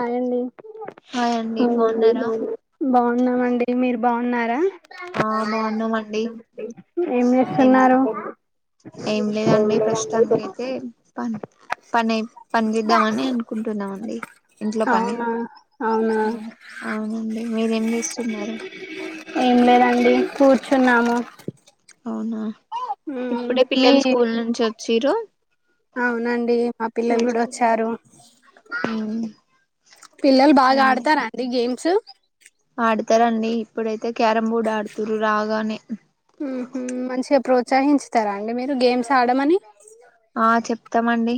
ాయ్ండి hi అండి బాగున్నారా బాగున్నాండి మీరు బాగున్నారా ఆ బాగున్నామండి ఏం ఏం లేదండి ప్రస్తుతానినికి అయితే ప పని పని చేద్దామని కుంటుందమండి ఇంట్లో పని అవునా అవునా అవును అవునండి మీరేం చేస్తున్నారు ఏం లేదండి కూర్చున్నాము అవునా మ్ ఇప్పుడే మీ పిల్లలు స్కూల్ నుంచి వ జీరో అవునండి మా పిల్లలు కూడా వచ్చారు ఉమ్, పిల్లలు బాగా ఏం లే ఆడతారంండి గేమ్ స పయితే క్యారం బోర్డ్ ఆడుతుారు రాగానే త్సహించుతారా అండి మీరు గేమ్స్ ఆడమని ఆ చెప్తామండి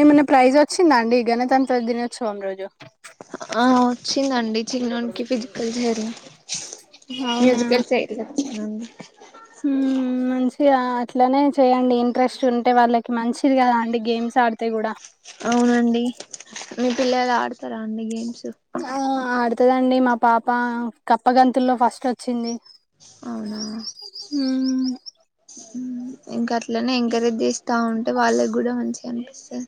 ఏమన్నా ప్రైజ్ వచ్చిందా అండి గణతంత్ర దినోత్సవం రోజు ఆ వచ్చిందండి చిన్నకి ఫిజికల్ జర అవునా మ్యూజికల్ చై నన్ మంచిగా అట్లనే చేయడి ఇంట్రెస్ట్ ఉంటే వాళ్ళకి మంచిది కదా అండి. గేమ్స్ ఆడితే కూడా అవునండి మీ పిల్లలు ఆడతారా అండి గేమ్స్. ఆ ఆడు వస్తుదండి మా పాప కప్ప గంతుల్లో ఫస్ట్ వచ్చింది. అవునా ఉమ్ ఇంకా అట్లనే ఎంకరేజ్ చేస్తా ఉంటే వాళ్ళకి కూడా మంచిగా అనిపిస్తది.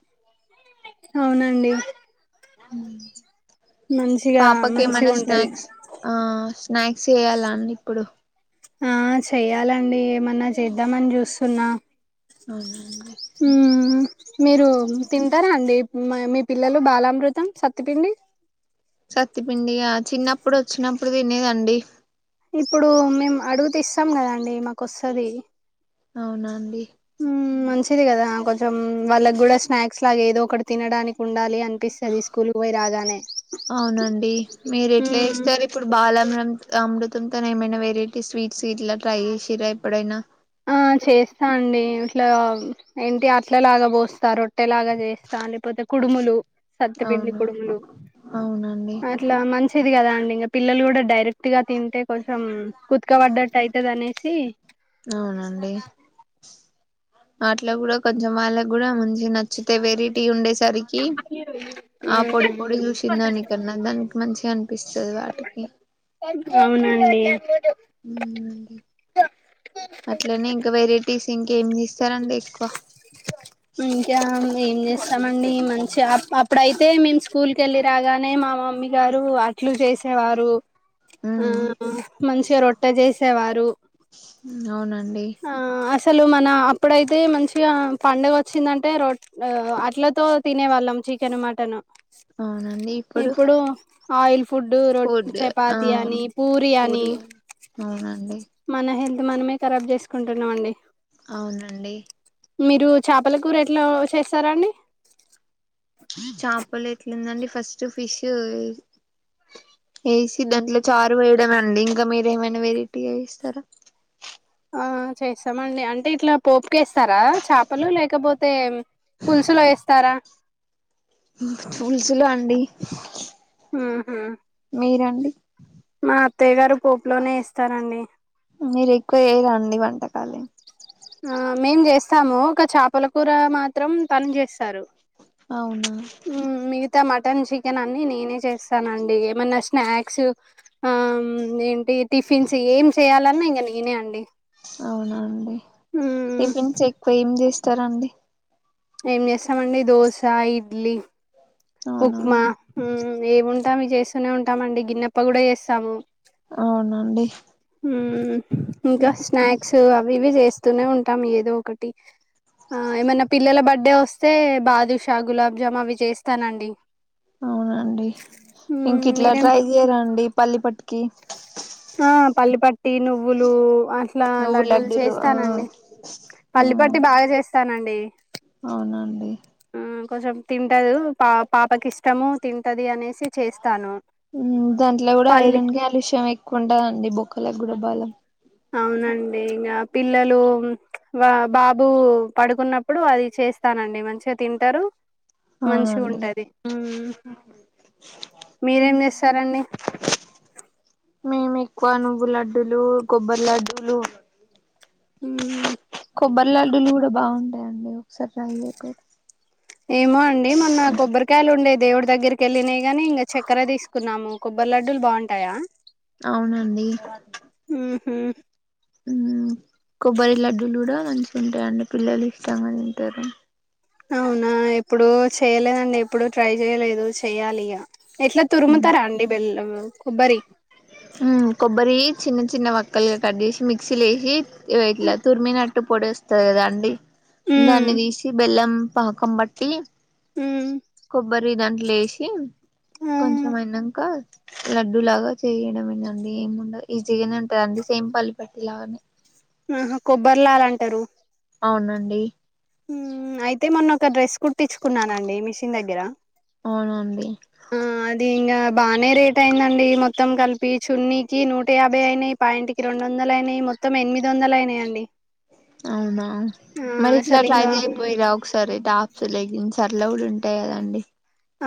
అవునండి. ఉం మంచిగా పాపక మంచిగా ఏమన్నా ఉంటది స్నాక్స్ ఆ స్నాక్స్ చేయాలండి ఇప్పుడు ఆ చెయ్యాలండి ఏమన్నా చేద్దామని చూస్తున్నా అవున ఉమ్ మీరు తింటారా అండి. మా మీ పిల్లలు బాలామృతం, సత్తుపిండి. సత్తిపిండియా చిన్నప్పుడు వచ్చినప్పుడు తినేదండి. ఇప్పుడు మేము అడుగుతిస్తాం కదండి మాకు వస్తది. అవునాండి. ఉమ్ మంచిది కదా కొంచెం వాళ్ళకి కూడా స్నాక్స్ లాగా ఏదో ఒకటి తినడానికి ఉండాలి. అనిపిస్తది స్కూల్ కు పోయి రాగానే అవునండి మీరు ఎట్లా మ్మ్ ఇస్తారు. ఇప్పుడు బాలమరం అమృతంతోనే ఏమైనా వెరైటీ స్వీట్స్ ఇట్లా ట్రై చేసిర్ర ఎప్పుడైనా, ఆ చేస్తా అండి. ఇట్లా ఏంటి అట్లలాగా పోస్తా రొట్టెలాగా చేస్తా లేకపోతే కుడుములు సత్తిపిండి అవును కుడుములు అవునండి అట్లా మంచిది కదా అండి. ఇగ పిల్లలు కూడా డైరెక్ట్. గుర్తిగా తింటే కొంచెం కుతుకబడ్డట్టు అయితదని. సి అవునండి. వాట్లో కూడా కొంచెం వాళ్ళకి కూడా మంచిగా నచ్చుతే వెరటీ ఉండే. సరికి ఆ పొడి మ్మ్ పొడి చూసిన దానికన్నా దానికి మంచిగా అనిపిస్తది. వాటికి అవునండి అండి అట్లనే ఇంకా వెరైటీస్. ఇంకా ఏం జేస్ ఇస్తా రండి ఏకువా ఇంకా ఏం చేస్తామండి మంచిగా అప్పుడైతే మేము స్కూల్కి వెళ్ళి రాగానే మా మమ్మీ గారు అట్లు చేసేవారు. ఆ ఉమ్ మంచిగా రొట్ట చేసేవారు. అండి. ఆ అసలు మన అప్పుడైతే మంచిగా పండుగ వచ్చిందంటే రో అట్లతో తినే వాళ్ళం చికెన్ మటన్. అవునండి ఇప్పుడు ఆయిల్ ఫుడ్డు రో ఫుడ్ ఆ చపాతి అని పూరి అని అవునండి మన హె మనే కబ్ జ అకుంటున్నాంమండి అవునండి మీరు చేపల కూ రెట్లా చేస్తారా అండి చేపలు ఎట్లుందండి ఫస్ట్ ఫిష్ వేసి దాంట్లో చారు వేయడం అండి ఇంకా మీరు ఏమైనా వెరైటీగా చేస్తార ఆ చేస్తామండి అంటే ఇట్లా పోపుక వేస్తారా చేపలు లేకపోతే పులుసులు వేస్తారా పులుసులు అండి ఆహా మీరాండి మా అత్తయ్య గారు పోపులోనే ఏస్తారండి మీరు ఎక్కువ చేయరండి వంటకాలు ఆ మేం చేస్తాము ఒక చేపల కూర మాత్రం తను చేస్తారు అవునా మ్ మిగతా మటన్ చికెన్ అన్ని నేనే చేస్తానండి ఏమైన్నా స్నాక్స్ ఏ టిఫిన్స్ ఏం చేయాల ఇంక నేనే అండి అవునా అండి మ్ టిఫిన్స్ ఎక్కువ ఏం చేస్తా స్తారండి ఏం చేస్తామండి దోశ ఇడ్లీ అవునా ఉప్మా ఏముంటా అవి చేస్తూనే ఉంటామండి గిన్నెతో కూడా చేస్తాము అవునండి ఇంకా స్నాక్స్ అవి ఇవి చేస్తా నే ఉంటాం ఏదో ఒకటి ఆ ఏమన్నా పిల్లల బర్డే వస్తే బాదుషా గులాబ్ జామ్ అవి చేస్త స్తానండి అవునండి ఇంక ఇట్లా మీరేం ట్రై చేయరండి పళ్ళి పట్టి కీ ఆ పళ్ళి పట్టి నువ్వులు అట్లా నువ్వు లడ్డూలు ఆ చేస్తానండి ఆ పళ్ళి పట్టి బాగా చేస్తానండి అవునండి కొంచెం తింటరు పా పాపకి ఇష్టము తింటది అనేసి చేస్తాను పల్లి కుంటా అండి బొక్కలకు కూడా బలం అవునండి ఇంకా పిల్లలు బాబు పడుకున్నప్పుడు అది చేస్తానండి మంచిగా తింటారు మంచి అవునండి ఉంటది మీరేం చేస్తారండి మేము ఎక్కువ నువ్వు లడ్డూలు కొబ్బరి లడ్డూలు హ కొబ్బరి లడ్డులు కూడా బాగుంటాయి అండి ఏమో అండి మొన్న కొబ్బరికాయలు ఉండే దేవుడి దగ్గరికి వెళ్ళినయి గాని ఇంకా చక్కెర తీసుకున్నాము కొబ్బరి లడ్డూలు బాగుంటాయా అవునండి ఉమ్ ఉమ్ కొబ్బరి లడ్డూలు కూడా మంచిగా ఉంటాయండి పిల్లలు ఇష్టంగా తింటారు అవునా ఎప్పుడో చేయలేదండి ఎప్పుడు ట్రై చేయలేదు చెయాలి ఇగ ఎట్లా తురుముతారండి బెల్ళ కొబ్బరి ఉమ్ కొబ్బరి చిన్న చిన్న వక్కలుగా కట్ జేసి మిక్సీ లేసి ఇగ ఇట్లా తుర్మినట్టు పొడి వస్తది కదా అండి మ్మ్ దాన్ని తీసి బెల్లం పాకం పట్టి మ్మ్ కొబ్బరి దాంట్లేసి ఆ కొంచం అయినాంక లడ్డూ లాగా చేయడంమేనండి ఏముండద్ ఈజీగానే ఉంటది అండి సేమ్ పల్లిపట్టి లాగానే ఆహ కొబ్బరి లా ల అంటారు అవునండి ఉమ్ అయితే మొన్న ఒక డ్రెస్ కుట్టించుకున్నానండి మిషిన్ దగ్గర అవున అండి ఉమ్ అది ఇంగ బానే రేట్ అయిందండి మొత్తం కలిపి చున్నీకి నూట యాభై అయినాయి పాయింట్కి రెండు వందలు అయినాయి మొత్తం ఎనిమిది వందలు అయినాయి అండి అవునా మరి ఇట్లా ట్రై ఇంగా చేయకపోయిరా ఒకసారి టాప్స్ లెగ్గిన్స్ అట్ల కూడా ఉంటాయి కదండి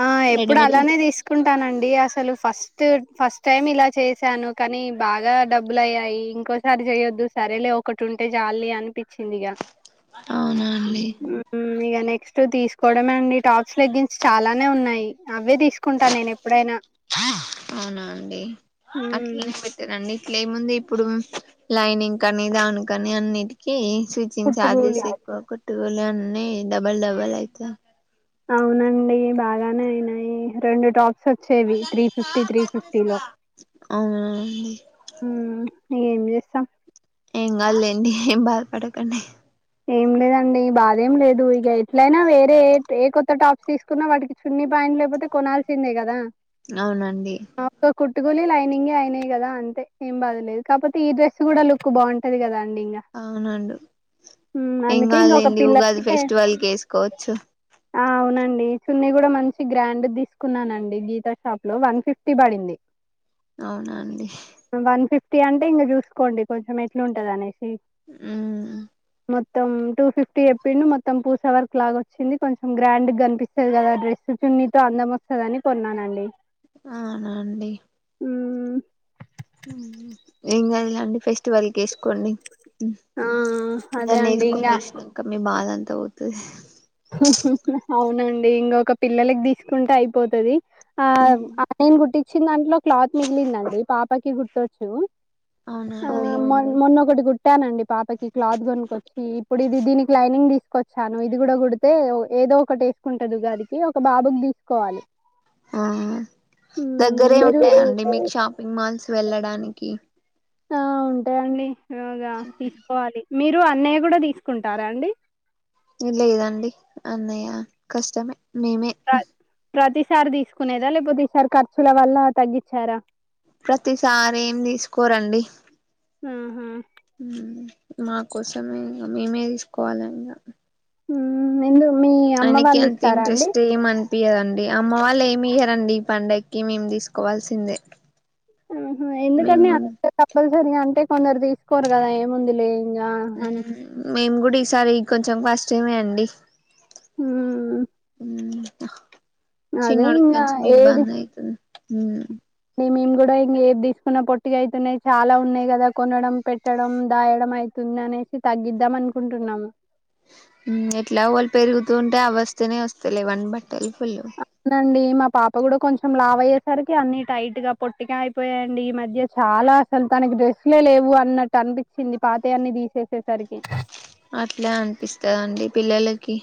ఆ ఎప్పుడు రెడీమేడ్ అలానే తీసుకుంటానండి డి అసలు ఫస్ట్ ఫస్ట్ టైం ఇలా చేసాను కానీ బాగా డబ్బులు అయ్యాయి ఇంకోసారి చేయొద్దు సరేలే ఒకటి ఉంటే చాల్లె అనిపి అవునా అండి మ్మ్ ఇగ నెక్స్ట్ తీసుకోవడంమే అండి టాప్స్ లెగ్గిన్స్ చాలానే ఉన్నాయి అవే తీసుకుంటా నేను ఎప్పుడైనా అవునా ఉమ్ లేముంది ఇప్పుడు లైనింగ్ కనీ దానికని అన్నిటికీ చూచిన కుట్టుకూలి చార్జెస్ ఎక్కువ టూల్ అన్నీ డబల్ డబల్ అయిత అవునండి బాగానే అయినాయి రెండు టాప్ లో అవునా డీ మ్మ్ ఏం చేస్తాం ఏం కాద్ లేండి ఏం బాధపడకండి ఏం లేదండి బాధేం లేదు ఇగ ఎట్లయినా వేరే ఏ కొత్త టాప్స్ తీసుకున్నా వాటికి చున్నీ బయ లేకపోతే కొనాల్సిందే కదా అవునండి పెట్టుకొని లైనింగే అయినాయి కదా అంతేం బాదులేదు కాపోతే ఈ డ్రెస్ కూడా లుక్ బాగుంటుది కదాం అవునండు ఎం అందుకే ఇంకొక కాదుండి ఉగాది పిల్లకి ఫెస్టివల్ క వేసుకోవచ్చు ఆ అవునండి చున్నీ కూడా మంచి గ్రాండ్ తీసుకున్నానండి గీతా షాప్ లో వన్ ఫిఫ్టీ పడింది అవునండి వన్ ఫిఫ్టీ అంటే ఇంకా చూసుకోండి కొంచెం ఎట్లు ఉంటది అనేసి అ మొత్తం టూ ఫిఫ్టీ చెప్పిండు మొత్తం పూస్వర్ క లాగా వచ్చింది కొంచెం గ్రాండ్ కనిపిస్తుంది కదా డ్రెస్ చున్నీతో అందం వస్తుందిని కొన్నానండి అవునండి ఉ ఇ అదిలా అండి పసి వాళ్ళకి వేసుకోండి ఆ ద అదే దాన్ని అండి వేసుకొని ఇంగా చూసినాంక మీ బాధంతా పోతుంది అవునండి ఇంకొక పిల్లలకి తీసుకుంటే అయిపోతుది ఆ అ నేన్ గుట్ట చి దాంట్లో క్లాత్ మిగిలింద అీ పాపకి గు చ్చ అవునా అండి గుట్టానండి పాపకి క్లాత్ కొనుక్కొచ్చి ఇప్పుడు ఇది దీనికి లైనింగ్ తీసుకొచ్చాను ఇది కూడా అతే ఏదో ఒక టేస్ ఉంటదుగాదికి ఒక బాబుకి తీసుకోవాలి ఆ ఉమ్ దగ్గరే మీరు ఉంటాయంండి మీకు షాపింగ్ మాల్స్ వెళ్ళడానికి ఆ ఉంటాండి గా తీసుకోవాలి మీరు అన్నయ్య కూడా తీసుకుంటారా అండి ఇ లే ఇదండి అన్నయ్య కష్టమే మేమే ప్ర ప్రతిసారి తీసుకునేదా లేకపోతే ఈసారి ఖర్చుల వల్ల తగ్గించారా ప్రతిసారి ఏం తీసుకోరండి ఆహా మా కోసమే మేమే తీసుకోవాలం ఎందు మీ అమ్మ వాళ్ళు ఇస్తారా అండి చె్యదండి అమ్మ వాళ్ళు ఏమి ఇయ్యరండి ఈ పండగకి మేము తీసుకోవాల్సిందే ఆహ మేము ఎందుకండి అ కూడా కంపల్సరీ అంటే కొందరు తీసుకోరు కదా ఏముందు లే మేమ్ గుడి ఇస్ సారీ కొంచం ఫస్ట్ టైమే అండి ఉమ్ ఉమ్ అదే చిన్నోడిక్ ఇంగా కొంచం ఇబ్బంది అయితుంద్ ఊ ఏ మీమ్ గుడా ఇంగ ఏద్ దీస్కున్నా పొట్టిగ అయితున్నాయి చాలా ఉన్నాయి గదా కొనడం పెట్టడం దాయడం అయితుంది అనేసి తగ్గిద్దాం అనుకుంటున్నాము మ్మ్ ఎట్ల వల్ పెరుగుతూ ఉంటే అ వస్తూనే వస్తలెవ్ అన్ బట్ కల్పులు అవునండి మా పాప గుడా కొంచం లావ్ అయ్యేసరికి అన్ని టైట్ గా పొట్టిగా అయిపొయై అండి ఈ మధ్య చాలా అసలు తనకి డ్రెస్సులే లేవు అన్నట్టు అన్పిచింది పాతే అన్ని తీసేసేసరికి అట్లా అనిపిస్తదా అండి పిల్లలకి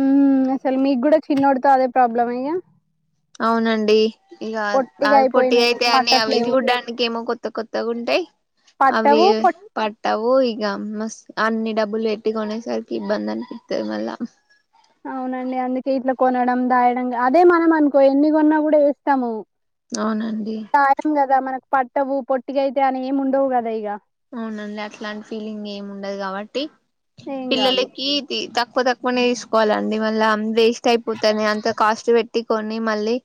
మ్మ్ అసలు మీగ్ గుడా చిన్ అబ్డు తదే ప్రాబ్లమేగా అవునండి ఇగా పొట్టిగా అవి పొట్టిగా అయిపోయినాయి అయితే అన్ని అవి పట్టట్లేవు చూడ్డానికి ఎమో కొత్త కొత్తగ్ ఉంటై అవి పట్టవు పొట్ పట్టవు ఇగ మస్ అన్ని డబ్బులు బెట్టి కొనెసరికి ఇబ్బంది అన్పిత్తది మళ్ళా రంగా అదే మనం అన్కో ఎన్ని గొన్నా గుడ ఏస్తాము అవునండి టా ఏం గద మనక్ పట్టవు పొట్టిగెతై అని ఏమ్ ఉండవ్ గదా ఇగ అవునండి అట్లాంటి ఫీలింగ్ ఏమ్ ఉండదు కాబట్టి ఏం కాదు పిల్లలకిీ తీ త పొ తక్కువనే ఈస్కోవాలండి మళ్ళామ్ వేస్ట్ అయిపోతది అంత కాస్ట్ బెట్టి కొని మళ్ళీ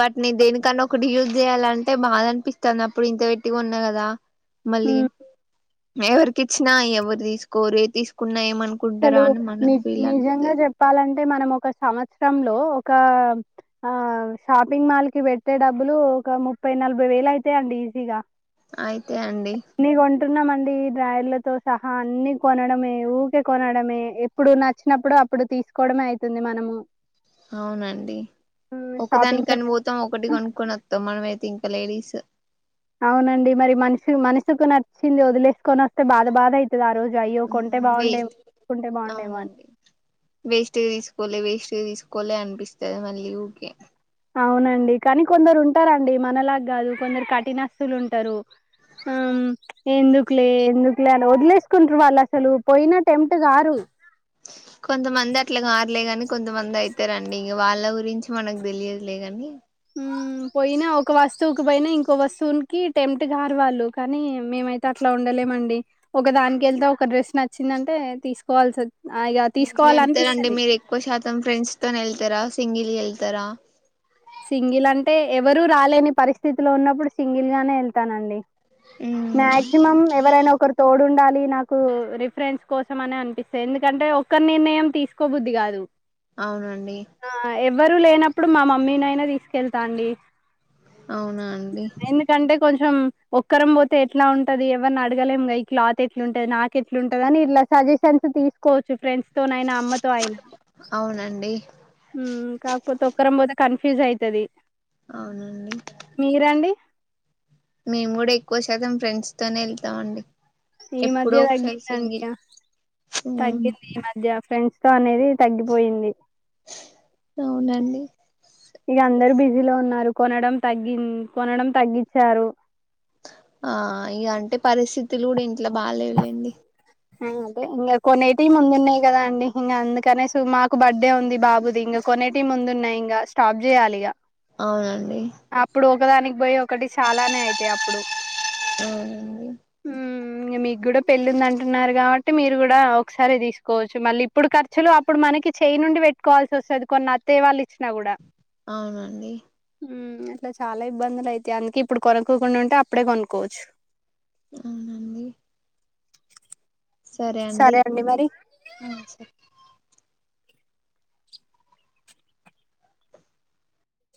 వట్నీ దేనికన్నా ఒకటి యూజ్ జేయాలంటే బాద అనిపిస్తన్న అప్పుడు ఇంత బెట్టి కొన్నా కదా మళ్ళీ హ్మ్ మే ఎవరికి ఇచ్చినా ఎవర్ తీస్కోరు ఏ తీసుకున్నా ఏమన్ సలు నిజ్ నిజంగా జప్పాలంటే మనం ఒక్ ఒక సమచ్రంలో ఒకా ఆ షాపింగ్ మాల్ కి పెట్టే డబ్బులు ఒక ముప్పై నల్భై వేల్ అయితై అండి ఈజీగా అయితే అండి టున్నమండి ఈ డ్రయర్లతో సహా అన్ని కొనడమే ఊక్ తే కొనడమే ఎప్పుడు నచ్చినప్పుడు అప్పుడు తీస్కోడమే అయితుంది మనము అవునండి ఒకదాని షాపింగ్ కన్ పోతాం ఒకటి కొన్కొని ఒత్తం మనం అయితే ఇంక్ క లేడీస్ అవునండి మరి మనిషి మనసుకు నచ్చింది ఒదిలేస్కొన్ ఒస్తే బాధ బాధ అయిత్ ఉమ్ వేస్ట్ కొంటే బాగుండేమో అని అవునండి వేస్ట్గ్ తీస్కోలే వేశ్ ఇవి తీస్కోలే అనిపిస్తంది మళ్ళీ ఊకే అవునండి కనీ కొందరు ఉంటారండి మనలాగ్ గాదు కొందరు కఠినస్తులు ఉంటారు ఆమ్ ఎందుక్లే ఎందుక్లే అట్ల ఒదిలేస్కుంట్రు వాళ్ అసలు పోయిన టెమ్ట్ గారు కొంతమంది అట్ల గార్లేగని కొంతమంది అయితారండి ఇగ వాళ్ళ గురించి మనకు తెలియద్లేగని ఉమ్ పోయినా ఒక వస్తువుకి పోయినా ఇంకో వస్తువునికి టెమ్ట్ గారు వాళ్ళు కానీ మేమైతే అట్లా ఉండలేమండి ఒక దానికి ఎల్తే ఒక డ్రెస్ నచ్చిందంటే తీస్కోవాల్సిద్ ఏన్ట్లేడ్తరండి మీరు ఎక్కువ శాతం ఫ్రెండ్స్ తొనె ఎళ్తరా సింగిల్ ఎల్ తర సింగిల్ అంటే, ఎవరూ రాలేని పరిస్థితిలో ఉన్నప్పుడు సింగిల్ గానే వెళ్తానండి. మాక్సిమం ఎవరైనా ఒకరు తోడుండాల్. నువ్ నాకు రిఫరెన్స్ కోసం అని అనిపిస్తది. ఎందుకంటే, ఒక్క నిర్ణయం తీసుకోబుద్ది కాదు. అవునండి. ఎవ్వరూ లేనప్పుడు మా మమ్మీనై న తీస్కెళ్తా అండి. అవునా అండి? రం ఒక్కరం పోతే, ఎట్లా ఉంటది? ఎవరిని అడగలేమ్ గా! ఈ క్లాత్ ఎట్లుంటది? నాకెట్లుంటది? అని ఇట్లా సజెషన్స్ తీసుకోవచ్చు ఫ్రెండ్స్. తొనయినా, అమ్మతో అయినా. అవునండి మ్మ్ కాకపోతే, ఒక్కరం పోతె కన్ ఫిజ్ అయితది. అవునండి. మీరండి మేము కూడా ఎక్కువ శాతం ఫ్రెండ్స్ తోనే ఎళ్తాం అండి. ఈ మధ్య తగ్గిందండిగ. తగ్గింది ఈ మధ్య ఫ్రెండ్స్ తొ అనేది తగ్గిపోయింది. అవునండి ఇగ అందరు బిజీలో ఉన్నారు. కొనడం తగ్గిన్ కొనడం తగ్గిచ్చారు. ఆ ఇగ అంటె పరిస్థితులు కూడా ఇంట్లో బాలేవు లెండి. మ్ అదే, ఇంకా కొనేటివి ముందున్నాయి కదా అండి! ఇంక అందుకనేసు మాకు బర్త్డే ఉంది. బాబుది ఇంగా కొనేటివి ముందున్నాయి ఇంగా స్టాప్ చేయాలిగ. అవునండి అప్పుడు ఒకదానికి పోయి ఒ ఒక్కటి చాలానే అయితాయి అప్పుడు. అవునండి. ఇంగ మీక్కూడా పెళ్ళిందన్ టున్నారు కాబట్టి, మీరు కూడా ఒకసారె తీసుకోవచ్చు. మళ్ళీ ఇప్పుడు ఖర్చులు, అప్పుడు మనకి చేయి నుండి పెట్టుకోవాల్సి వస్తది. కొన్ని అత్తేయ వాళ్ళు ఇచ్చినా కూడ. అవునండి. మ్మ్ అట్లా చాలా ఇబ్బందులు అయితయి. అందుకే, ఇప్పుడు కొనుక్కోకుండా ఉంటే, అప్పుడే కొనుకోవచ్చు. అవునండి. సరె అండి. సరే మరి ఆ సరె.